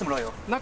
中？